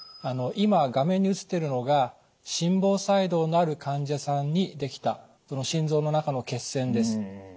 今画面に映ってるのが心房細動のある患者さんにできたその心臓の中の血栓です。